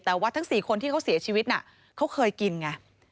แต่ว่าทั้ง๔คนที่เขาเสียชีวิตน่ะเขาเคยกินไง